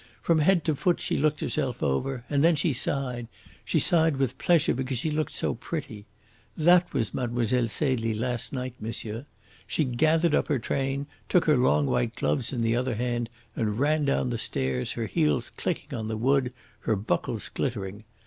From head to foot she looked herself over, and then she sighed she sighed with pleasure because she looked so pretty. That was Mlle. Celie last night, monsieur. She gathered up her train, took her long white gloves in the other hand, and ran down the stairs, her heels clicking on the wood, her buckles glittering.